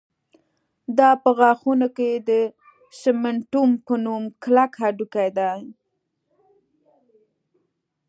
دا په غاښونو کې د سېمنټوم په نوم کلک هډوکی دی